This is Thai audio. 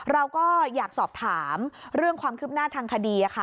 เราก็อยากสอบถามเรื่องความคืบหน้าทางคดีค่ะ